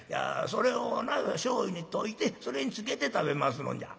それをなしょうゆに溶いてそれにつけて食べますのんじゃ」。